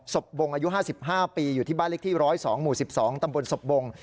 บวงอายุ๕๕ปีอยู่ที่บ้านเล็กที่๑๐๒หมู่๑๒ตำบลศพบง